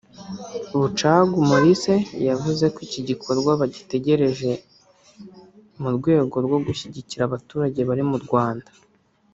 Bucagu Maurice yavuze ko iki gikorwa bagitekereje mu rwego rwo gushyigikira abaturage bari mu Rwanda